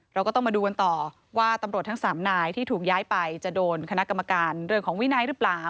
เราก็ต้องมาดูกันต่อว่าตำรวจทั้งสามนายที่ถูกย้ายไปจะโดนคณะกรรมการเรื่องของวินัยหรือเปล่า